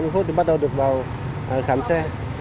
ba mươi phút thì bắt đầu được vào khám xe